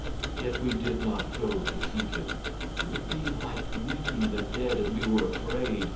Yet we did not go to seek him. It would be like meeting the dead, and we were afraid.